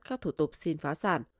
các thủ tục xin phá sản